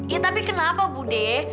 ya tapi kenapa bu de